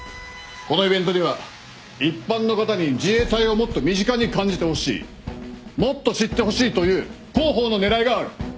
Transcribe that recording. このイベントには一般の方に「自衛隊をもっと身近に感じてほしい」「もっと知ってほしい」という広報の狙いがある。